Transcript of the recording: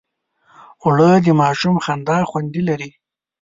اوړه د ماشوم خندا خوند لري